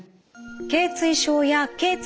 けい椎症やけい椎